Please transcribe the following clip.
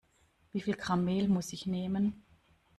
Wie viel Gramm Mehl muss ich nehmen?